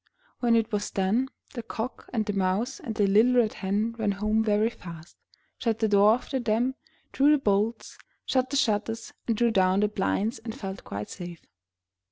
When it was done, the Cock, and the Mouse and the little Red Hen ran home very fast, shut the door after them, drew the bolts, shut the shutters, and drew down the blinds and felt quite safe.